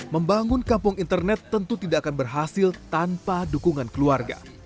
membangun kampung internet tentu tidak akan berhasil tanpa dukungan keluarga